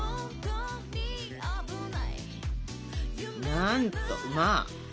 なんとまあ！